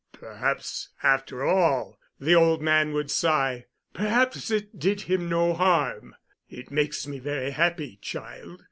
"Perhaps, after all," the old man would sigh, "perhaps it did him no harm. It makes me very happy, child."